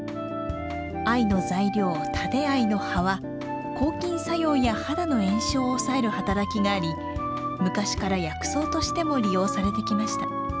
藍の材料タデアイの葉は抗菌作用や肌の炎症を抑える働きがあり昔から薬草としても利用されてきました。